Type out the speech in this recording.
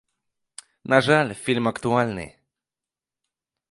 На жаль, фільм актуальны.